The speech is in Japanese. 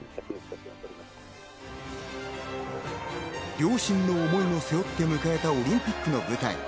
両親の思いを背負って迎えたオリンピックの舞台。